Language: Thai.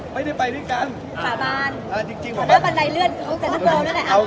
ไม่ได้ไปด้วยกัน